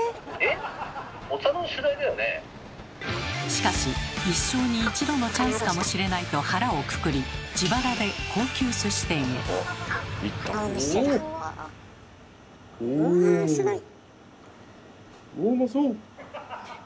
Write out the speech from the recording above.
しかし一生に一度のチャンスかもしれないと腹をくくりうわすごい。